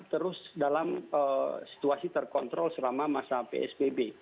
terus dalam situasi terkontrol selama masa psbb